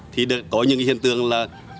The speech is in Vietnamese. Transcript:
thì có những hiện tượng là